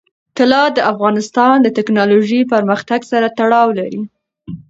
طلا د افغانستان د تکنالوژۍ پرمختګ سره تړاو لري.